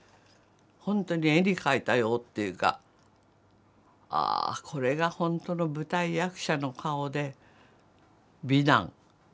本当に絵に描いたようっていうか「ああこれが本当の舞台役者の顔で美男」。